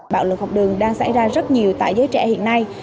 bạo lực học đường đang xảy ra rất nhiều tại giới trẻ hiện nay